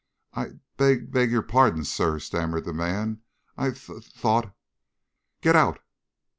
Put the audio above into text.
"I b beg your pardon, Sir," stammered the man. "I th thought " "Get out!"